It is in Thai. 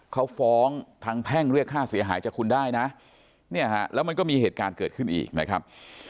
เขาฟ้องทางแพ่งเรียกค่าเสียหายจากคุณได้นะเนี่ยฮะแล้วมันก็มีเหตุการณ์เกิดขึ้นอีกนะครับ